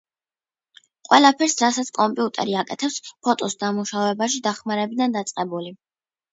ყველაფერს რასაც კომპიუტერი აკეთებს, ფოტოს დამუშავებაში დახმარებიდან დაწყებული